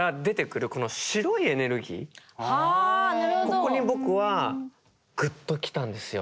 ここに僕はグッときたんですよ。